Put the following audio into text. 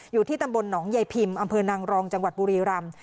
อยู่ที่ตำบลหนองใยพิมพ์อำเภอนางรองจังหวัดบุรีรำ